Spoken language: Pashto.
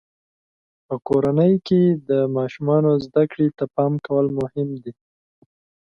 په کورنۍ کې د ماشومانو زده کړې ته پام کول مهم دي.